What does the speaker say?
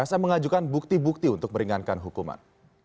masa mengajukan bukti bukti untuk meringankan hukuman